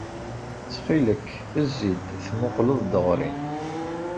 Ttxil-k, zzi-d, temmuqqleḍ-d ɣer-i.